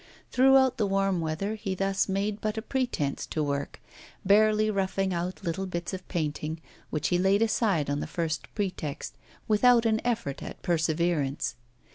Throughout the warm weather he thus made but a pretence to work barely roughing out little bits of painting, which he laid aside on the first pretext, without an effort at perseverance.